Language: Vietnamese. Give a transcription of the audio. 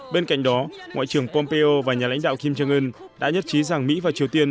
bên cạnh đó ngoại trưởng pompeo và nhà lãnh đạo kim trương ưn đã nhất trí rằng mỹ và triều tiên